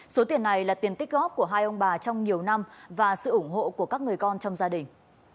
số tiền này là tiền tích góp của hai ông bà trong nhiều năm và sự ủng hộ của các người con trong gia đình